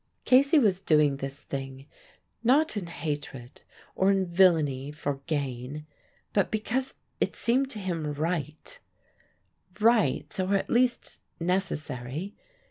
Casey was doing this thing not in hatred or in villainy for gain but because it seemed to him right right, or at least necessary.